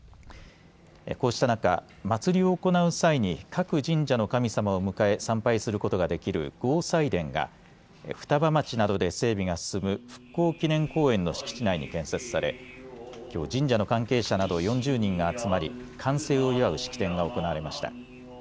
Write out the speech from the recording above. こうした中、祭りを行う際に、各神社の神様を迎え参拝することができる合祭殿が、双葉町などで整備が進む復興祈念公園の敷地内に建設され、きょう、神社の関係者など４０人が集まり、完成を祝う式典が行われました。